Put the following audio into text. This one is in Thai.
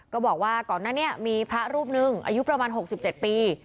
ก็บอกว่าก่อนหน้านี้มีพระรูปหนึ่งอายุประมาณ๖๗ปี